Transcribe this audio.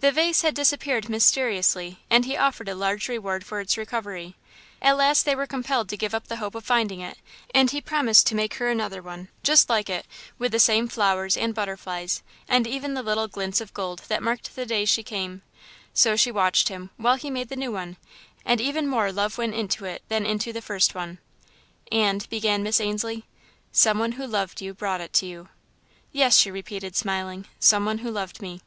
"The vase had disappeared, mysteriously, and he offered a large reward for its recovery. At last they were compelled to give up the hope of finding it, and he promised to make her another one, just like it, with the same flowers and butterflies and even the little glints of gold that marked the days she came. So she watched him, while he made the new one, and even more love went into it than into the first one." "And " began Miss Ainslie. "Some one who loved you brought it to you." "Yes," she repeated, smiling, "some one who loved me."